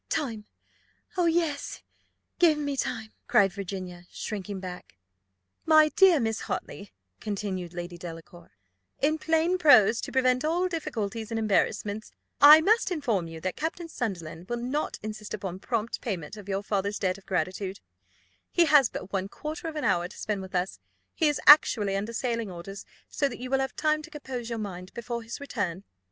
"Time! O yes, give me time," cried Virginia, shrinking back. "My dear Miss Hartley," continued Lady Delacour, "in plain prose, to prevent all difficulties and embarrassments, I must inform you, that Captain Sunderland will not insist upon prompt payment of your father's debt of gratitude: he has but one quarter of an hour to spend with us he is actually under sailing orders; so that you will have time to compose your mind before his return.